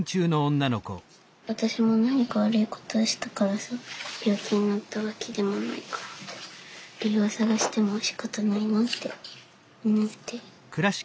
私も何か悪いことをしたからさ病気になったわけでもないから理由を探してもしかたないなって思って。